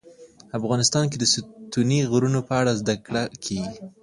افغانستان کې د ستوني غرونه په اړه زده کړه کېږي.